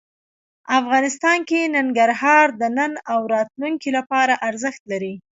افغانستان کې ننګرهار د نن او راتلونکي لپاره ارزښت لري.